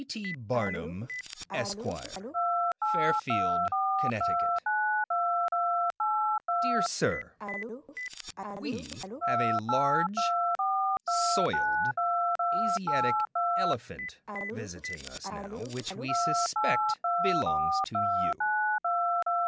P. T. BARNUM, Esq. Dear Sir: We have a large soiled Asiatic elephant visiting us now, which we suspect belongs to you.